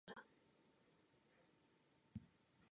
행운의 여신은 용기 있는 자를 좋아한다